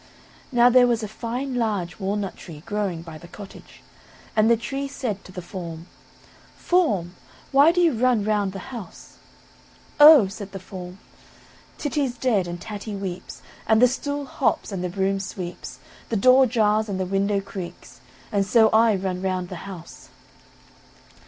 Now there was a fine large walnut tree growing by the cottage, and the tree said to the form: "Form, why do you run round the house?" "Oh!" said the form, "Titty's dead, and Tatty weeps, and the stool hops, and the broom sweeps, the door jars, and the window creaks, and so I run round the house."